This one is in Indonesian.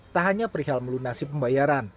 tak hanya perihal melunasi pembayaran